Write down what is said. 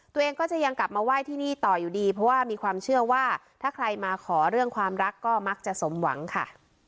ตัวเองก็จะยังกลับมาไหว้ที่นี่ต่ออยู่ดีเพราะว่ามีความเชื่อว่าถ้าใครมาขอเรื่องความรักก็มักจะสมหวังค่ะ